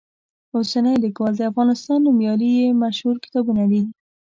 اوسنی لیکوال، د افغانستان نومیالي یې مشهور کتابونه دي.